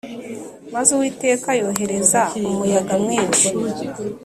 Maze Uwiteka yohereza umuyaga mwinshi